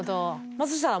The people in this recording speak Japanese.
松下さん